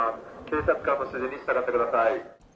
警察官の指示に従ってください。